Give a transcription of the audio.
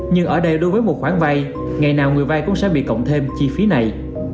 nhưng ở đây đối với một khoản vay ngày nào người vay cũng sẽ bị cộng thêm chi phí này